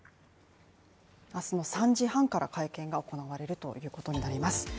明日の３時半から会見が行われるということになります。